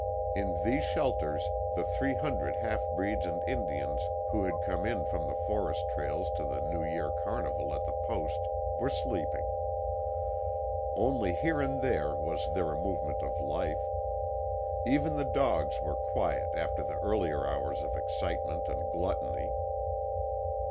In these shelters the three hundred halfbreeds and Indians who had come in from the forest trails to the New Year carnival at the Post were sleeping. Only here and there was there a movement of life. Even the dogs were quiet after the earlier hours of excitement and gluttony.